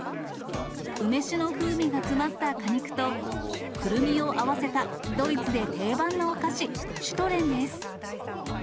梅酒の風味が詰まった果肉と、くるみを合わせたドイツで定番のお菓子、シュトレンです。